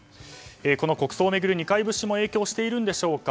この国葬を巡る二階節も影響してるんでしょうか。